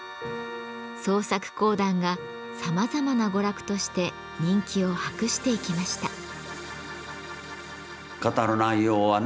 創作講談がさまざまな娯楽として人気を博していきました。